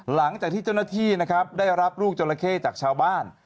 หลังจากที่เจ้าหน้าที่นะครับได้รับลูกจราเข้จากชาวบ้าน